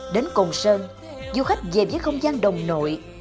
đến cồn sơn du khách về với không gian đồng nội